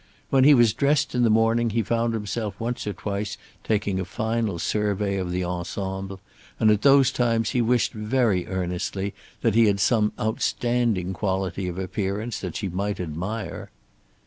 When he was dressed in the morning he found himself once or twice taking a final survey of the ensemble, and at those times he wished very earnestly that he had some outstanding quality of appearance that she might admire.